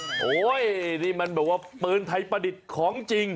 โอ้โหนี่มันแบบว่าปืนไทยประดิษฐ์ของจริง